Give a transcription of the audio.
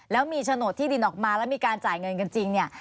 แล้วมีโฉนดที่ดินออกมาแล้วมีการจ่ายเงินกันจริงเนี่ย